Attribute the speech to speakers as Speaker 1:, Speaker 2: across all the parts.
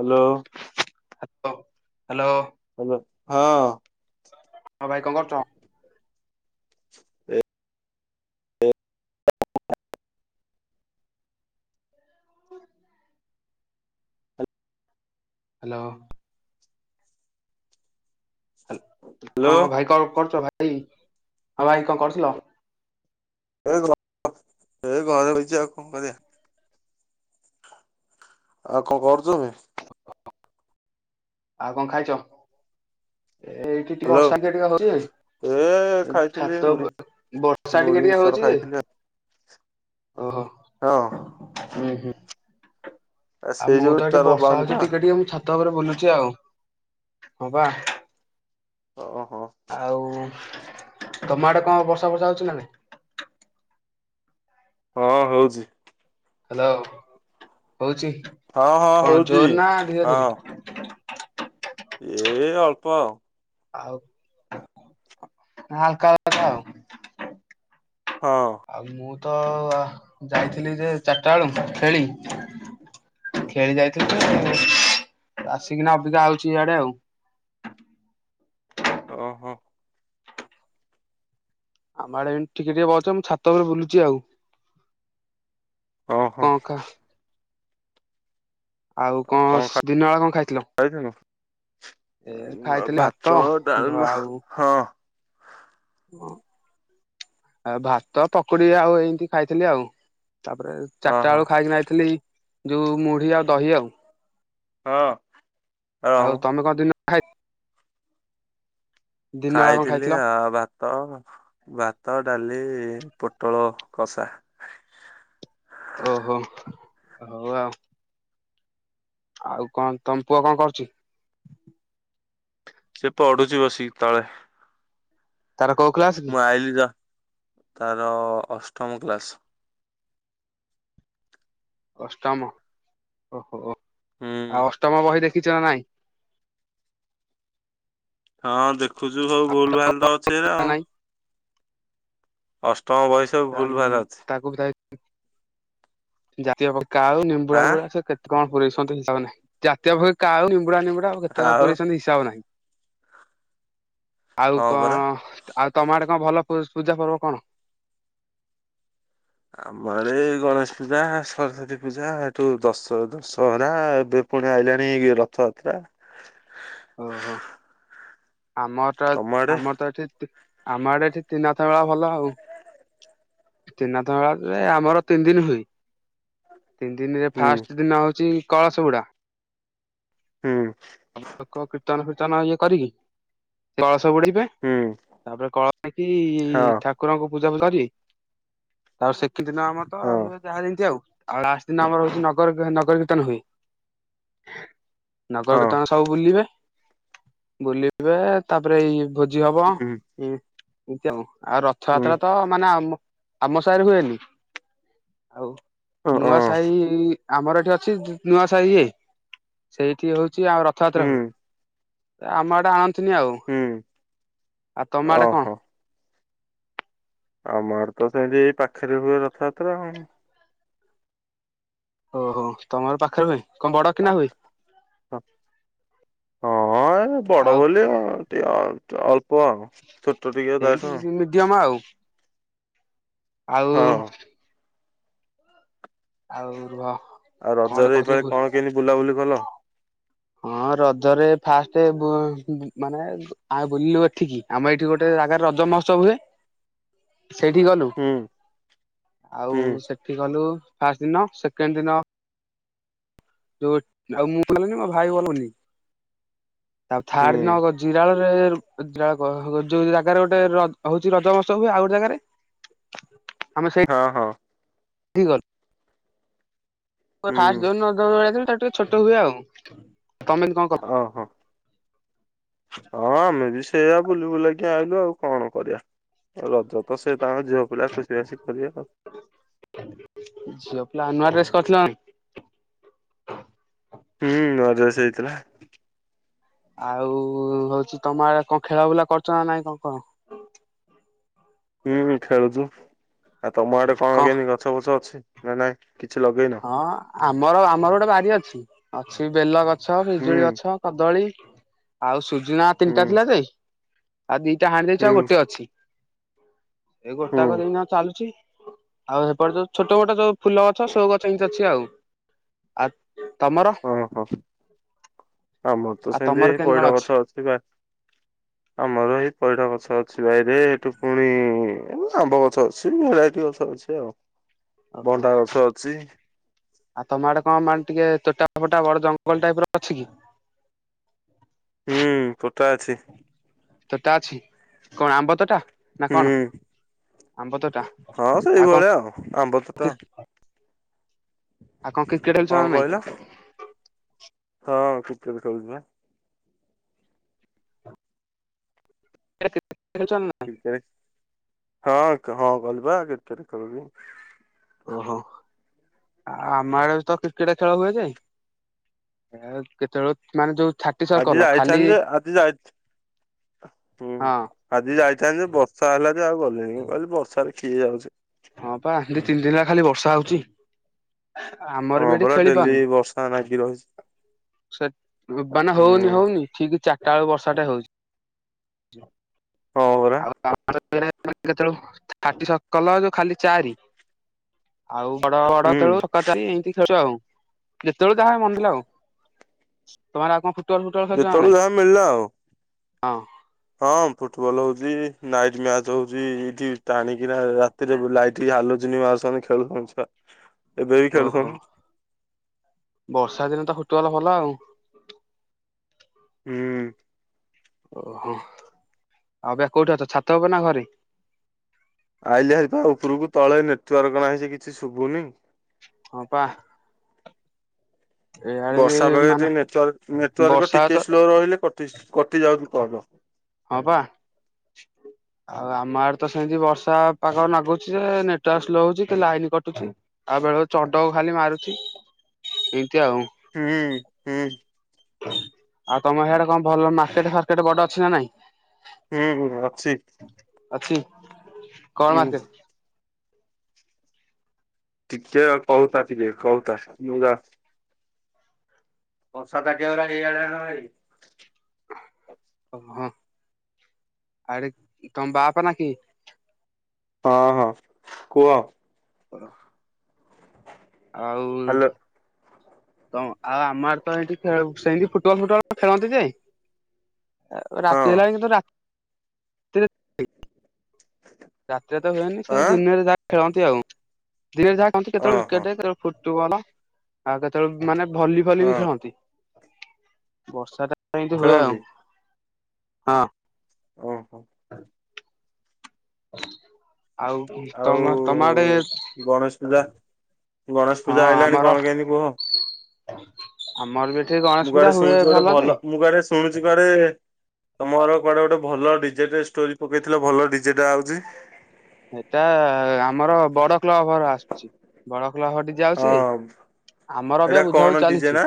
Speaker 1: Hello.
Speaker 2: ଅ hello.
Speaker 1: Hello ହଁ।
Speaker 2: ହଁ ଭାଇ କଣ କରୁଛ?
Speaker 1: ଏ
Speaker 2: ହାଲୋ। ହାଲ
Speaker 1: ହ୍ୟାଲୋ।
Speaker 2: କଣ ଭାଇ କଣ କରୁଛ ଭାଇ ହଁ ଭାଇ କଣ କରୁଥିଲ?
Speaker 1: ଏଇ ଘ ଏଇ ଘରେ ବଇଚି ଆଉ କଣ କରିବା। ଆଉ କଁ କରୁଚ [unintelligible]
Speaker 2: ଆଉ କଁ ଖାଇଚ? ଏ ଏଇଠି ଟିକେ
Speaker 1: ହ୍ୟାଲୋ
Speaker 2: ବର୍ଷା ଟିକେ ଟିକେ ହଉଚି
Speaker 1: ଏ
Speaker 2: ଏବ୍
Speaker 1: ଖାଇଥିଲି
Speaker 2: ଛାତ ବ
Speaker 1: ମୁଢି
Speaker 2: ବର୍ଷା ବର୍ଷା ଟିକେ
Speaker 1: ମୁଢି
Speaker 2: ଟିକେ
Speaker 1: ମିକ୍ସଚର
Speaker 2: ହଉଚି।
Speaker 1: ଖାଇଥିଲି
Speaker 2: ଓହୋ।
Speaker 1: ହଁ।
Speaker 2: ହୁଁ-ହୁଁ
Speaker 1: ଆ
Speaker 2: ଆଉ
Speaker 1: ସେଇ
Speaker 2: ମୁଁ
Speaker 1: ଯୋଉ
Speaker 2: ତ ଏଠି
Speaker 1: ନେଟୱାର୍କ
Speaker 2: ବର୍ଷା
Speaker 1: ପାଉନି
Speaker 2: ହଉଛି
Speaker 1: ପା
Speaker 2: ଟିକେ ଟିକେ ମୁଁ ଛା ତ ଉପରେ ବୁଲୁଚି ହଁ ବା।
Speaker 1: ଓହୋ।
Speaker 2: ଆଉ ତମ ଆଡେ କଁ ବର୍ଷା ଫର୍ଷା ହଉଚି ନାଇ?
Speaker 1: ହଁ ହଉଚି।
Speaker 2: ହାଲୋ ହଉଚି,
Speaker 1: ହଁ ହଁ
Speaker 2: କଁ
Speaker 1: ହଉଛି।
Speaker 2: ଜୋରେ ନା ଧୀରେ ଧୀରେ?
Speaker 1: ହଁ ଏ ଅଳ୍ପ ଆଉ।
Speaker 2: ଆଉ ହାଲ୍କା ହାଲ୍କା ଆଉ।
Speaker 1: ହଁ।
Speaker 2: ଆଉ ମୁଁ ତ ଯାଇଥିଲି ଯେ ଚାରିଟା ଆଳୁ ଖେଳି ଖେଳି ଯାଇଥିଲି ତ ଆସିକିନା ଅବିକା ଆଉଚି ଇଆଡେ ଆଉ।
Speaker 1: ଅ ହ।
Speaker 2: ଆମ ଆଡେ ଏମ୍ ଟିକେ ଟିକେ ବର୍ଷା ମୁଁ ଛାତ ଉପରେ ବୁଲୁଚି ଆଉ।
Speaker 1: ଓହୋ।
Speaker 2: ଅଁ କା। ଆଉ କଁ ଦିନ ଆ କଁ ଖାଇଥିଲ?
Speaker 1: ଖାଇଥିନୁ।
Speaker 2: ଏ ଖାଇଥିଲୁ ଭାତ ଭ
Speaker 1: ଡାଲମା
Speaker 2: ଆଉ
Speaker 1: ହଁ
Speaker 2: ଅଁ ଆ ଭାତ, ପକୁଡି ଆଉ ଏନ୍ତି ଖାଇଥିଲି ଆଉ ତାପରେ ଚାରିଟା
Speaker 1: ଓହୋ
Speaker 2: ଆଳୁ ଖାଇକିନା ଆଇଥିଲି ଯୋଉ ମୁଢି ଆଉ ଦହି ଆଉ।
Speaker 1: ହଁ
Speaker 2: ଆଉ
Speaker 1: ଆଉଁ।
Speaker 2: ତମେ କଁ ଦିନ ଖାଇ ଦିନ ବେଳା କଣ
Speaker 1: ଖାଇଥିଲି
Speaker 2: ଖାଇଥିଲ?
Speaker 1: ଆ ଭା ତ ଭାତ, ଡାଲି, ପୋଟଳ କଷା।
Speaker 2: ଓହୋ, ହଉ ଆଉ। ଆଉ କଁ ତମ ପୁଅ କଁ କରୁଚି?
Speaker 1: ସେ ପଢୁଚି ବସିକି ତଳେ।
Speaker 2: ତାର କୋଉ କ୍ଲାସ୍?
Speaker 1: ମୁଁ ଆଇଲିି ଯା ତାର ଅଷ୍ଟମ କ୍ଲାସ୍।
Speaker 2: ଅଷ୍ଟମ ଓହୋ,
Speaker 1: ହୁଁ
Speaker 2: ଆଉ ଅଷ୍ଟମ ବହି ଦେଖିଚ ନା ନାଇଁ?
Speaker 1: ହଁ ଦେଖୁଚୁ ସବୁ ଭୁଲ୍ ଭାଲ୍ ତ ଅଛି ସେଟା
Speaker 2: ନା
Speaker 1: ଆଉ।
Speaker 2: ନାଇଁ
Speaker 1: ଅଷ୍ଟମ ବହି ସବୁ
Speaker 2: [unintelligible]
Speaker 1: ଭୁଲ ଭାଲ
Speaker 2: ଜାତୀୟ
Speaker 1: ଅଛି।
Speaker 2: ପକ୍ଷୀ କାଉ, ନିମ୍ବୁଡା
Speaker 1: ଆଁ
Speaker 2: ନିମ୍ବୁଡା ସେ କେ କଁ ପୁରେଇଚନ୍ତି ହିସାବ ନାଇ, ଜାତୀୟ [unintelligible] କାଉ, ନିମ୍ବୁଡା ନିମ୍ବୁଡା ଆଉ କେତେ ପୁରେଇଛନ୍ତି ହିସାବ ନାଇ। ଆଉ
Speaker 1: ହଁ
Speaker 2: କଁ
Speaker 1: ପରା।
Speaker 2: ଆଉ ତମ ଆଡେ଼ କଁ ଭଲ ପୂସ୍ ପୂଜା ପର୍ବ କଣ?
Speaker 1: ଆମ ଆଡେ ଗଣେଶ ପୂଜା, ସରସ୍ଵତୀ ପୂଜା, ଏଠୁ ଦଶ ଦଶହରା ଏବେ ପୁଣି ଆଇଲାଣି ରଥଯାତ୍ରା।
Speaker 2: ଓହୋ। ଆମର ତ
Speaker 1: ତମ ଆଡେ
Speaker 2: ଆମର ତ ଏଠି ଆମ ଆଡେ ଏଠି ତ୍ରିନାଥ ମେଳା ଭଲ ଆଉ। ତ୍ରିନାଥ ମେଳା ଯେ ଆମର ତିନି ଦିନ ହୁଏ। ତିନି ଦିନିରେ
Speaker 1: ହୁଁ
Speaker 2: ଫାଷ୍ଟ ଦିନ ହଉଚି କଳସ ବୁଡା।
Speaker 1: ହୁଁ।
Speaker 2: ଲୋକ କୀର୍ତ୍ତନ ଫୀର୍ତ୍ତନ ଇଏ କରିକି ଗଣେସ ବୁଡେ଼ଇବା।
Speaker 1: ହୁଁ
Speaker 2: ତାପରେ କଳ ନେଇକି
Speaker 1: ହଁ
Speaker 2: ଠାକୁରଙ୍କୁ ପୂଜା କରି ଆଉ ସେଖି ଦିନ ଆମର ତ
Speaker 1: ହଁ
Speaker 2: ହୁଏ ଯାହା ଯେମିତି ଆଉ। ଆଉ ଲାଷ୍ଟ ଦିନ ଆମର ହେଉଛି ନଗର କୀର୍ତ୍ତନ ହୁଏ ନଗର
Speaker 1: ହଁ
Speaker 2: କୀର୍ତ୍ତନ ସବୁ ବୁଲିବେ ବୁଲିବେ ତାପରେ ଏଇ ଭୋଜି ହବ। ହୁଁ [unintelligible] ଆଉ
Speaker 1: ହୁଁ
Speaker 2: ରଥଯାତ୍ରା ତ ମାନେ ଆମକ୍ ଆମ ସାହିରେ ହୁଏନି ଆଉ
Speaker 1: ଓ ଓ
Speaker 2: ନୂଆ ସାହି ଆମର ଏଠି ଅଛି ନୂଆ ସାହି ଇଏ ସେଇଠି ହେଉଛି ଆଉ ରଥଯାତ୍ରା
Speaker 1: ହୁଁ।
Speaker 2: ହୁଏ। ଆମ ଆଡେ଼ ଆନ୍ତିନି ଆଉ
Speaker 1: ହୁଁ
Speaker 2: ତମ ଆଡେ଼ କଣ?
Speaker 1: ଆମ ଆଡେତ ଜାହାବି ପାଖରେ ହୁଏ ରଥଯାତ୍ରା ଆଉ
Speaker 2: ଓହୋ ତମର ପାଖରେବି।
Speaker 1: କଟ୍ ହଁ ହଁ ଏଇ ବଡ଼
Speaker 2: ଆଉ
Speaker 1: ବୋଲି ଟିଅ--ଅଳ୍ପ ଆଉ ଛୋଟ ଟିକେ ତାଆଠୁ
Speaker 2: ମିଡି଼ୟମ ଆଉ।
Speaker 1: ହଁ
Speaker 2: ଆଉ ଆଉ ରୁହ
Speaker 1: ଆଉ
Speaker 2: କଣ ଗୋଟେ
Speaker 1: ରଜରେ
Speaker 2: କହୁଥିଲି
Speaker 1: ଏପାଖେ
Speaker 2: ଭୁଲ
Speaker 1: କଣ କେମି ବୁଲାବୁଲି କଲ
Speaker 2: ହଁ ରଜରେ ଫାଷ୍ଟେ ବୁ ମାନେ ଆଁ ବୁଲିଲୁ ଏଠିକି ଆମ ଏଇଠି ଗୋଟେଏ ଜାଗାରେ ରଜ ମହୋତ୍ସବ ହୁଏ। ସେଠି ଗଲୁ
Speaker 1: ହୁଁ
Speaker 2: ଆଉ
Speaker 1: ହୁଁ
Speaker 2: ସେଠ୍ ସେଠି ଗଲୁ ଫାଷ୍ଟ ଦିନ, ସେକେଣ୍ଡ ଦିନ। ଓଟ ଆଉ ମୁଁ ଗଲନି ମୋ ଭାଇ ଗଲୁନି ତା ଥାର୍ଡ଼
Speaker 1: ହୁଁ।
Speaker 2: ଦିନ ଗ ଜିରା ଗଲେ [unintelligible] ଜାଗାରେ ଗୋଟେଏ ହଉଛି ରଜ ମହୋତ୍ସବ୍ ହୁଏ, ଆଉ ଗୋଟେଏ ଜାଗାରେ, ଆମେ ସେଇ
Speaker 1: ହଁ ହଁ।
Speaker 2: କିଗଲ୍ ଫାଷ୍ଟ୍
Speaker 1: ହୁଁ
Speaker 2: ଯେଉଁ ରଜ [unintelligible] ଟିକେ ଛୋଟ ହୁଏ ଆଉ ତମେ କଣ କର୍
Speaker 1: ହଁ ହଁ। ହଁ ଆମେ ବି ସେଇଆ ବୁଲି ବୁଲାକି ଆଇଲୁ ଆଉ କଣ କରିବା। ରଜତ ସେଏ ତାଙ୍କ ଝିଅ ପିଲା ଖୁସିବାସି କରିବେ ଆଉ
Speaker 2: ଝିଅ ପିଲା ନୁଆ ଡ୍ରେସ୍ କରିଥିଲନା ନାଇଁ
Speaker 1: ହୁଁ ରଜରେ ସେଇଥିଲା।
Speaker 2: ଆଉ ହଉଛି ତମ ଆଡେ଼ କଣ ଖେଳା ବୁଲା କରୁଚ ନା ନାଇଁ କଣ କହ?
Speaker 1: ହୁଁ ହୁଁ ଖେଳୁଛୁ ଆଉ ତମ ଆଡେ଼ କଣ କେମତି ଗଛ ଫଛ ଅଛି ନାଁ ନାଇଁ କିଛି ଲଗେଇନ।
Speaker 2: ହଁ ଆମର ଆମର ଗୋଟେଏ ବାରି ଅଛି ଅଛି ବେଲଗଛ୍ ଗଛ,
Speaker 1: ହୁଁ
Speaker 2: ପିଜୁଳିଗଛ, କଦଳୀ, ଆଉ ସୁଜୁନା,
Speaker 1: ହୁଁ।
Speaker 2: ତିନିଟା ଥିଲା ଯେ। ଆଉ ଦିଇଟା ହାଣି ଦେଇଚ ଆଉ
Speaker 1: ହୁଁ
Speaker 2: ଗୋଟେ ଅଛି। ଏଇ
Speaker 1: ହୁଁ
Speaker 2: ଗୋଟାକ ଦିନ ଚାଲୁଛି ଆଉ ସେପଟ ଛୋଟ ମୋଟ ଯୋଉ ଫୁଲ ଗଛ ସବୁ ଗଛ୍। ‌ ସେମତି ଅଛି ଆଉ ଆତ୍
Speaker 1: ଓହୋ ଆମର ତ
Speaker 2: ଆଉ ତମର
Speaker 1: ସେମିତି
Speaker 2: କେମିତି କଣ
Speaker 1: ପଇଡ଼ଗଛ ଅଛି ବାସ୍। ଆମର ଏଇ ପଇଡ଼ଗଛ ଅଛି ବାଇରେ ଏଇଠୁ ପୁଣି ଆମ୍ବଗଛ ଅଛ୍। ସୋମ୍ତି ଭେରାଇଟି ଅଛି ଆଉ
Speaker 2: [inaudible] ଓହୋ
Speaker 1: ଭଣ୍ଡା ଗଛ ଅଛି।
Speaker 2: ଆଉ ତମ ଆଡେ଼ କଣ ମାନେ ଟିକେ ତୋଟାଫୋଟା ବଡ଼ ଜଙ୍ଗଲ ଟାଇପର ଅଛି କି?
Speaker 1: ହୁଁ ପୋଟା ଅଛି।
Speaker 2: ତୋଟା ଅଛି କଣ ଆମ୍ବତୋଟା ନା କଣ
Speaker 1: ହୁଁ
Speaker 2: ଆମ୍ବତୋଟା?
Speaker 1: ହଁ ସେଇଭଳିଆ ଆଉ ଆମ୍ବତୋଟା।
Speaker 2: ଆଉ କଣ କ୍ରିକେଟ
Speaker 1: କଣ
Speaker 2: ଦେଖୁଚନା
Speaker 1: କହିଲ?
Speaker 2: ନାହିଁ?
Speaker 1: ହଁ ଖଚ [unintelligible] କହୁଛି ନା।
Speaker 2: ଏରା [unintelligible] କଚନ୍
Speaker 1: ହଁ ହଁ ଗଲିବା କେତ କରିବି
Speaker 2: ଓହୋ ଆ ଆମ ଆଡେ ତ କ୍ରିକେଟ ଖେଳ ହୁଏ ଯୋଇ ହା କେତେବେଳେ ମାନେ ଯୋଉ ଛାଃ
Speaker 1: ଆଜି ଯାଇଛ ଆ ଯେ ଆଜିି ଯାଇ ହୁଁ।
Speaker 2: ହଁ
Speaker 1: ଆଜି ଯାଇଥାନ୍ତନ୍ତି ଯେ ବର୍ଷା ହେଲା ଯେ ଆଉ ଗଲେଣିି ମୁଁ କହିଲି ବର୍ଷାରେ ଖିଏ ଯାଉଛି।
Speaker 2: ହଁ ପା ଦି ତିନି ଦିନ ହେଲା ଖାଲି ବର୍ଷା ହଉଛି। ଆମର ବି
Speaker 1: ହଁ
Speaker 2: ଏଠି
Speaker 1: ପରା
Speaker 2: ଖେଳି
Speaker 1: ଡେଲି
Speaker 2: ପାରୁନି
Speaker 1: ବର୍ଷା ନାଗି ରହିଚି
Speaker 2: ସେ ବାନେ
Speaker 1: ହୁଁ।
Speaker 2: ହଉନି ହଉନି ଠିକ ଚାରିଟା ବେଳେ ବର୍ଷା ଟା ହଉଛି।
Speaker 1: ହଁ ପରା
Speaker 2: ଆଉ ଆମର [unintelligible] କେତେବେ ାଟି ସକାଲ ଯଉ ଖାଲି ଚାରି ଆଉ ବଡ ବଡ
Speaker 1: ହୁଁ
Speaker 2: ତେଳୁ ଛକା ଚାରି ଏମତି ଖେଳୁ ଆଉ। ଯେତେବେଳଳେ ଯାହା ମନଲା ଆଉ ତମର ଆଉ କଣ ଫୁଟବଲ ଫୁଟବଲ ଖେଳୁଛ ନା
Speaker 1: ଯେତେବେଳେ
Speaker 2: ନାଇଁ?
Speaker 1: ଯାହା ମିଳିଲା ଆଉ।
Speaker 2: ହଁ
Speaker 1: ହଁ ଫୁଟବଲ ହଉଛି ନାଇଟ ମ୍ୟାଚ ହଉଛି ଏଇଠି ଟାଣିକିନା ତିରେବି ଲାଇଟ୍ ହାଲୁିଜିନ ମାରୁଛନ୍ତି ଖେଳୁ ଛନ୍ତି
Speaker 2: [inaudible]
Speaker 1: ଏବେ ବି ଖେଳୁଥନ
Speaker 2: ଓହୋ ବର୍ଷା ଦିନ ତ ଫୁଟୁଗଲା ଭଲ ଆଉ।
Speaker 1: ହୁଁ।
Speaker 2: ଓହୋ ଆଉ ବା କୋଉଠି ଅଛ ଛାତ ହବ ନା ଘରେ?
Speaker 1: ଆଇଲି ହୋରି ପା ଉପରକୁ ତଳେ ନେଟର୍କ ନାହିଁ କିଛି ଶୁଭୁନି।
Speaker 2: ହଁ ପା। ଏଇଆଡେ ବି
Speaker 1: ବର୍ଷା ବେଳେ
Speaker 2: ମାନେ
Speaker 1: ଟି ନେଟୱାର୍କ ନେଟୱାର୍କ
Speaker 2: ବର୍ଷା ତ
Speaker 1: ଟିକେ ସ୍ଲୋ ରହିଲେ କଟି ଯାଉଛି କିବ
Speaker 2: ହଁ ବା ଆଉ ଆମ ଆଡ ତ ସେମତି ବର୍ଷା ପାଗ ନାଗୁଛି ଯେ ନେଟୱାର୍କ ସ୍ଲୋ ହଉଛି ଲାଇନ କଟୁଛି। ଆଉ ବେଳ ବେଳେ ଚଡ଼କ ଖାଲି ମାରୁଛି ଏମତି ଆଉ।
Speaker 1: ହୁଁ ହୁଁ।
Speaker 2: ଆଉ ତମ ଏଇଆଡେ କଣ ଭଲ ମାର୍କେଟ ଫାର୍କେଟ ବଡ ଅଛି ନା ନାଇଁ?
Speaker 1: ହୁଁ ହୁ ଅଛି।
Speaker 2: ଅଛି କଣ
Speaker 1: ହୁଁ
Speaker 2: ମାର୍କେଟ?
Speaker 1: ଟିକେ କହୁଥା ଟିକେ କହୁଥା ମୁଁ ଯା ବର୍ଷାଦାଗା ଏଇଆଡଣ ଭଇ
Speaker 2: ଓହୋ ଆରେ ତମ ବାପା ନା କି
Speaker 1: ହଁ ହଁ କୁହ।
Speaker 2: [inaudible] ଆଉ
Speaker 1: ହ୍ୟାଲୋ
Speaker 2: ତ ଆଉ ଆମ ଆଡେ ତ ଏଇଠି ସେମିତି ଫୁଟବଲ ଫୁଟବଲ୍ ଖେଳନ୍ତି ଯେ। ରାତି
Speaker 1: ହଁ
Speaker 2: ହେଲାଣି କିନ୍ତୁ ରା ରାତିରେ ତ ହୁଏନି ସେଇ
Speaker 1: ଆଁ
Speaker 2: ଦିନରେ ଯାହା ଖେଳନ୍ତି ଆଉ ଦିନରେ ଯାହାନ୍ତି କେତେବେଳେ
Speaker 1: ଓହୋ
Speaker 2: କ୍ରିକେଟ ଯ ଫୁଟବଲ ଆଉ କେତେବେଳେ ମାନେ ଭଲି ଭଲି ବି
Speaker 1: ହଁ
Speaker 2: ଖେଳନ୍ତି ବର୍ଷା ଟା ଏମିତି ହୁଏ
Speaker 1: ଖେଳନ୍ତି
Speaker 2: ଆଉ ହଁ
Speaker 1: ଓ ହୋ
Speaker 2: ଆଉ ତମ ତମ ଆଡେ
Speaker 1: ଗଣେଶ ପୂଜା ଗଣେଶ ପୂଜା ଆଇଲାଣି କଣ କେମିତି କୁହ
Speaker 2: ହ [inaudible] ଆମର ବି ଏଠି ଗଣେଶ
Speaker 1: ମୁଁ
Speaker 2: ପୂଜା
Speaker 1: କୁଆଡେ
Speaker 2: ହୁଏ
Speaker 1: ଶୁଣୁଛି ଗୋଟେ
Speaker 2: ଯେ
Speaker 1: ଭଲ ମୁଁ କୁଆଡେ ଶୁଣୁଛି କୁଆଡେ ତମର କୁଆଡେ ଗୋଟେ ଭଲ ଡିଜେଟ ଷ୍ଟୋରି ପକେଇଥିଲେ ଭଲ ଡିଜେଟା ଆଉଛି।
Speaker 2: ଏଟା ଆମର ବଡ କ୍ଲବ ଭର ଆସୁଛି ବଡ କ୍ଲଭ ଘରଠି। ଆଉଛି
Speaker 1: ହଁ।
Speaker 2: ଆମର ଏବେ
Speaker 1: ଏଇଟା
Speaker 2: ବୁଝା ବୁଝି
Speaker 1: କଣ ଡିଜେ
Speaker 2: ଚାଲିଛି।
Speaker 1: ନା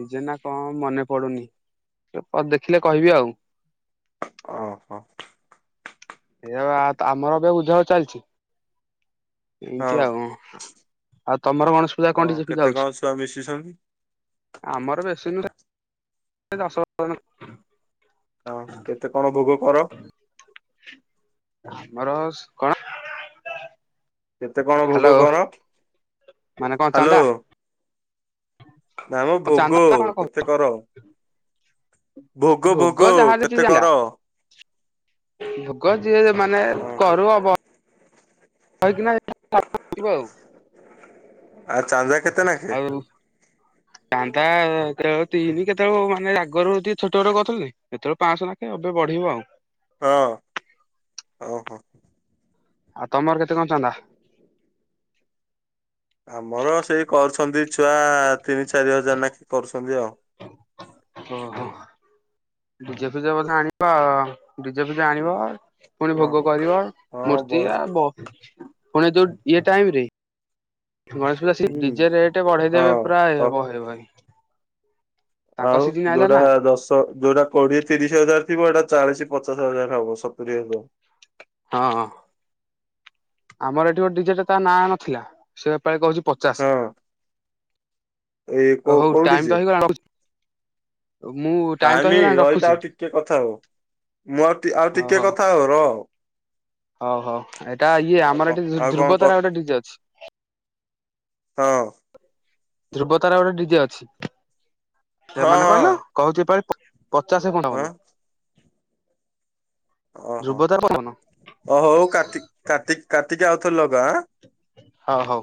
Speaker 2: ଡିଜେ ନା କଣ ମନେ ପଡୁନି ଦେଖିଲେ କହିବି ଆଉ।
Speaker 1: ଓହୋ।
Speaker 2: ଏବା ଆମର ଏବେ ବୁଝା ବୁଝି ଚାଲିଛି। ଏମତି
Speaker 1: ହଁ।
Speaker 2: ଆଉ ଆଉ ତମର ଗଣେସ୍ ପୂଜା
Speaker 1: ଓ
Speaker 2: କଣ ଡିଜେ ଫିଜେ
Speaker 1: କେତେ କଣ
Speaker 2: ଆଉଛି।
Speaker 1: ଛୁଆ ମିଶିଛନ୍ତି
Speaker 2: ଆମର ବେଶୀ ନୁହଁ। ଆସ [unintelligible]
Speaker 1: ହଁ କେତେ କଣ ଭୋଗ କର?
Speaker 2: ଆମର କଣ?
Speaker 1: କେତେ କଣ ଭୋଗ
Speaker 2: ହ୍ୟାଲୋ
Speaker 1: କର?
Speaker 2: ମାନେ କଣ
Speaker 1: ହ୍ୟାଲୋ
Speaker 2: ଚାନ୍ଦା?
Speaker 1: ନା ମୋ
Speaker 2: କଣ ଚାନ୍ଦା
Speaker 1: ଭୋଗ
Speaker 2: ନା କଣ କହୁଛୁ?
Speaker 1: କେତେ କର? ଭୋଗ ଭୋଗ
Speaker 2: ଯାହା ଯେତିକି
Speaker 1: କେତେ
Speaker 2: ହେଲା
Speaker 1: କର?
Speaker 2: ଭୋଗ ଯିଏ ମାନେ
Speaker 1: ଓହୋ
Speaker 2: କରୁ ହବ। କହିକିନା ଆଉ
Speaker 1: ଆଉ ଚାନ୍ଦା କେତେ ନାଖେ
Speaker 2: ଆଉ। ଚାନ୍ଦା କେତେବେଳେ ତିନି କେତେବେଳେ ମାନେ ଆଗରୁ ଟିକେ ଛୋଟ ଛୋଟ କରିଥିଲୁ ଯେ। ଏତେବେଳେ ପାଞ୍ଚଶହ ନାଖେ ଏବେ ବଢିବ ଆଉ।
Speaker 1: ହଁ ଓହୋ।
Speaker 2: ଆଉ ତମର କେତେ କଣ ଚାନ୍ଦା?
Speaker 1: ଆମର ସେଇ କରୁଛନ୍ତି ଛୁଆ ତିନି ଚାରି ହଜାର ନା କେ କରୁଛନ୍ତି ଆଉ।
Speaker 2: ଓହୋ ଡିଜେ ଫିଜେ ବୋଧେ ଆଣିବ ଡିଜେ ଫିଜେ ଆଣିବ। ପୁଣି
Speaker 1: ହଁ
Speaker 2: ଭୋଗ କରିବ
Speaker 1: ହଁ
Speaker 2: ମୂର୍ତ୍ତି
Speaker 1: ବସ୍
Speaker 2: ଆ ବହୁତ କିଛି ପୁଣି ଯୋଉ ଇଏ ଟାଇମ ରେ ଗଣେଶ ପୁଜା ସି
Speaker 1: ହୁଁ
Speaker 2: ଡିଜେ ରେଟ ବଢେଇ ଦେବେ
Speaker 1: ହଁ।
Speaker 2: ପ୍ରାୟ
Speaker 1: ହ
Speaker 2: ବହେ ବହେ। ତାଙ୍କ
Speaker 1: ଆଉ
Speaker 2: ସିଜିନ ଆଇଲା
Speaker 1: ଯୋଉଟା
Speaker 2: ନା
Speaker 1: ଦଶ ତ ଯୋଉଟା କୋଡିଏ ତିରିଶ ହଜାର ଥିବ ଏଇଟା ଚାଳିଶ ପଚାଶ ହଜାର ହବ ସତୁରି ହଜାର।
Speaker 2: ହଁ ଆମର ଏଠି ଗୋଟ ଡିଜେଟା ତା ନାଁ ନଥିଲା ସେପାଳି କହୁଛି ପଚାଶ।
Speaker 1: ଏ କୋ
Speaker 2: ହଉ
Speaker 1: କୋଉ
Speaker 2: ଟାଇମ ତ
Speaker 1: ଡିଜେ।
Speaker 2: ହେଇଗଲାଣି ରଖୁଛି ମୁଁ ଟାଇମ ତ
Speaker 1: ଟାଇମି
Speaker 2: ହେଇଗଲାଣି ରଖୁଛି।
Speaker 1: ରହିଥାଅ ଟିକେ କଥା ହବ। ମୁଁ ଆଉ ଆଉ ଟିକେ ଟିକେ କଥା ହଉ ରହ।
Speaker 2: ହଉ ହଉ ଏଇଟା ଇଏ
Speaker 1: ଆଉ
Speaker 2: ଆମର
Speaker 1: କଣ
Speaker 2: ଏଠି
Speaker 1: ଆଉ କଣ କ
Speaker 2: ଧ୍ରୁବତାରା ଗୋଟେ ଡିଜେ ଅଛି।
Speaker 1: ହଁ।
Speaker 2: ଧ୍ରୁବତାର ଗୋଟେ ଡିଜେ ଅଛି ସେମାନେ
Speaker 1: ହଁ
Speaker 2: କହିଲ କହୁଛି। ପଚାଶେ
Speaker 1: ହଁ ହଁ
Speaker 2: ଖଣ୍ଡବନ
Speaker 1: ଓହୋ
Speaker 2: ଧ୍ରୁବତାର ପବନ।
Speaker 1: ଓ ହୋଉ କାର୍ତିକ୍ କାର୍ତିକ୍ କାର୍ତିକ୍ ଆଉ ଥରେ ଲଗା ଏଁ,
Speaker 2: ହଁ ହଉ,